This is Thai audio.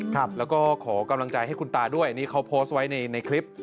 ครับแล้วก็ขอกำลังใจให้คุณตาด้วยนี่เขาโพสต์ไว้ในคลิป